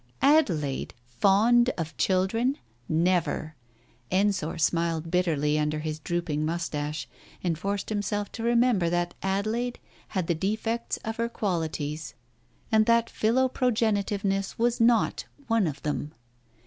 Adelaide ! fond of children ! Never ! Ensor smiled bitterly under his drooping moustache, and forced himself to remember that Adelaide had the defects of her qualities, and that philoprogenitiveness was not one of them.